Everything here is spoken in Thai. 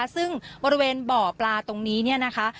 ซึ่งบริเวณบ่อปลาตรงนี้เนี่ยนะคะ